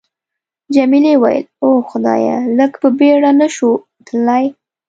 جميلې وويل:: اوه خدایه، لږ په بېړه نه شو تللای؟